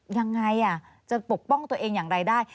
ยังไงจะปกป้องตัวเองอย่างไรได้